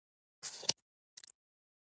انګلیسیان خبر نه وه.